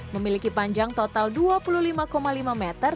memiliki panjang total dua puluh lima lima meter